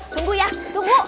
tunggu ya tunggu